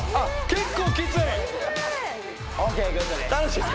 結構きつい。